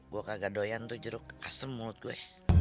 gue kagak doyan tuh jeruk asem mulut gue